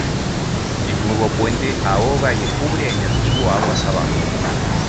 El nuevo puente ahoga y encubre el antiguo aguas abajo.